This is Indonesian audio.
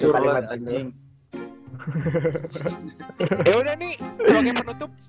yaudah nih soalnya menutup